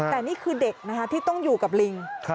แต่นี่คือเด็กนะคะที่ต้องอยู่กับลิง